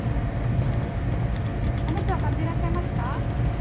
おむつは買っていらっしゃいました？